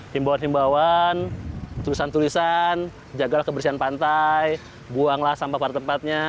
himbauan himbauan tulisan tulisan jagalah kebersihan pantai buanglah sampah pada tempatnya